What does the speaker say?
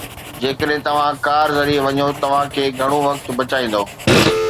جيڪڏهن توهان ڪار ذريعي وڃو، توهان کي گهڻو وقت بچائيندو.